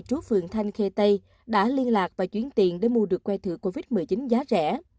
chú phường thanh khê tây đã liên lạc và chuyển tiền để mua được que thửa covid một mươi chín giá rẻ